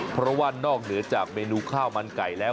เพราะว่านอกเหนือจากเมนูข้าวมันไก่แล้ว